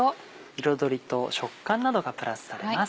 彩りと食感などがプラスされます。